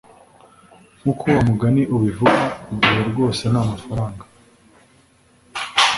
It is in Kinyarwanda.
nkuko wa mugani ubivuga, igihe rwose ni amafaranga